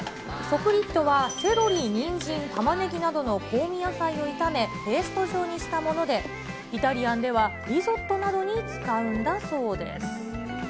ソフリットは、セロリ、にんじん、たまねぎなどの香味野菜を炒め、ペースト状にしたもので、イタリアンではリゾットなどに使うんだそうです。